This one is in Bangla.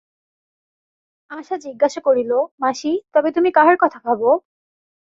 আশা জিজ্ঞাসা করিল, মাসি, তবে তুমি কাহার কথা ভাব।